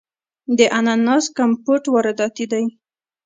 د اناناس کمپوټ وارداتی دی.